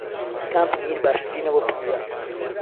کام پەنیر باشترینە بۆ پیتزا؟